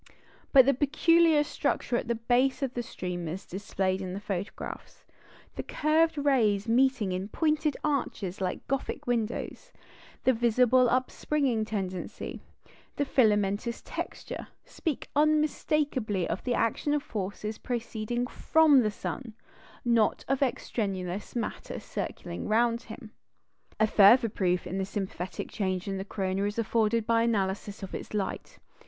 But the peculiar structure at the base of the streamers displayed in the photographs, the curved rays meeting in pointed arches like Gothic windows, the visible upspringing tendency, the filamentous texture, speak unmistakably of the action of forces proceeding from the sun, not of extraneous matter circling round him. A further proof of sympathetic change in the corona is afforded by the analysis of its light.